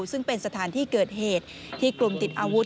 ซึ่งเป็นสถานที่เกิดเหตุที่กลุ่มติดอาวุธ